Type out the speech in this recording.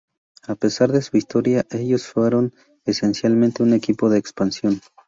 A pesar de su historia, ellos fueron esencialmente un equipo en expansión.